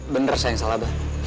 bener sayang salah bah